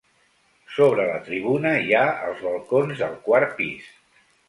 Sobre la tribuna hi ha els balcons del quart pis.